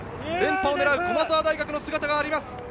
連覇を狙う駒澤大学の姿があります。